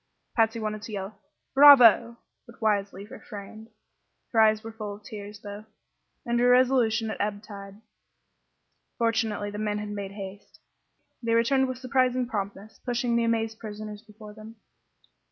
Patsy wanted to yell "bravo!" but wisely refrained. Her eyes were full of tears, though, and her resolution at ebb tide. Fortunately the men had made haste. They returned with surprising promptness, pushing the amazed prisoners before them.